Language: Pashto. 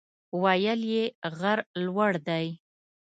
ویل یې غر لوړ دی.